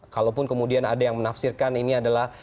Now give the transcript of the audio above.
kalaupun kemudian ada yang menafsirkan ini adalah